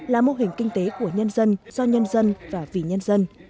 là mô hình kinh tế của nhân dân do nhân dân và vì nhân dân